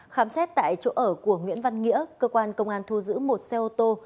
khám xét tại chỗ ở của nguyễn văn nghĩa cơ quan công an thu giữ một xe ô tô